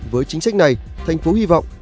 với chính sách này thành phố hy vọng